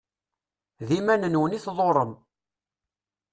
D iman-nwen i tḍurrem.